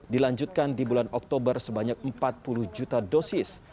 dilanjutkan di bulan oktober sebanyak empat puluh juta dosis